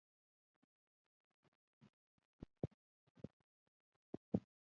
کله چې مو یو ښه کار وکړ هېڅوک یې نه یادوي.